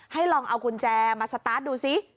ลองเอากุญแจมาสตาร์ทดูซิ